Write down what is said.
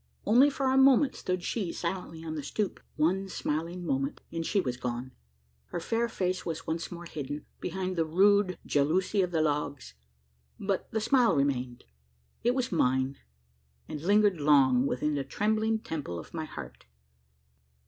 Only for a moment stood she silently on the stoop one smiling moment, and she was gone. Her fair face was once more hidden, behind the rude jalousie of the logs; but the smile remained. It was mine; and lingered long within the trembling temple of my heart.